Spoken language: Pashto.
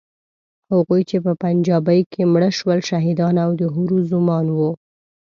هغوی چې په پنجابۍ کې مړه شول، شهیدان او د حورو زومان وو.